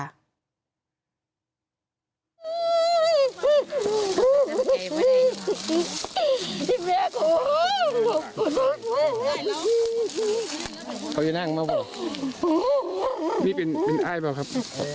ดิ้นแม่กูเดี๋ยวนั่งมาบนนี่เป็นเป็นอ้ายเปล่าครับ